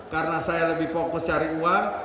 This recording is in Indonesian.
karena saya lebih fokus cari uang